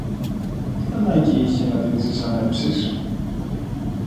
Τι ανάγκη είχε να τη ζιζανέψεις;